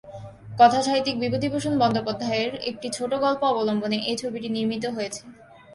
কথাসাহিত্যিক বিভূতিভূষণ বন্দ্যোপাধ্যায়ের একটি ছোটগল্প অবলম্বনে এই ছবিটি নির্মিত হয়েছে।